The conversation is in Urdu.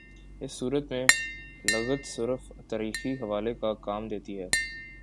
اس صورت میں لغت صرف تاریخی حوالے کا کام دیتی ہے۔